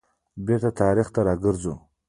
بیرته تاریخ ته را وګرځو.